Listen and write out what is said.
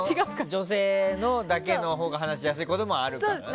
女性だけのほうが話しやすいこともあるからね。